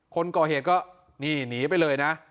คนก่อเหตุก็นี่หนีไปเลยนะ